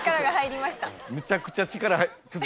むちゃくちゃ力。